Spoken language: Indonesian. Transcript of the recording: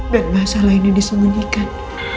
dan masalah ini disembunyikan